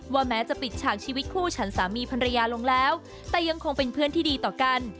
แม้จะปิดฉากชีวิตคู่ฉันสามีภรรยาลงแล้วแต่ยังคงเป็นเพื่อนที่ดีต่อกัน